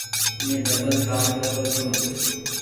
مين ڊبل ڪآم ڪر رو ڇون ۔